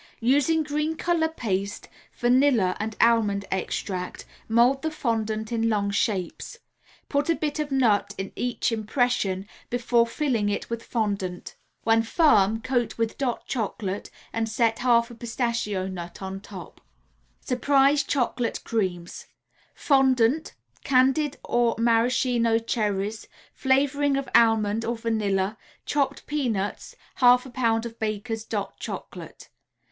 Using green color paste, vanilla and almond extract mold the fondant in long shapes. Put a bit of nut in each impression, before filling it with fondant. When firm coat with "Dot" Chocolate and set half a pistachio nut on top. SURPRISE CHOCOLATE CREAMS [Illustration: SURPRISE CHOCOLATE CREAMS.] Fondant, Candied or Maraschino cherries, Flavoring of almond or vanilla, Chopped peanuts, 1/2 a pound of Baker's "Dot" Chocolate.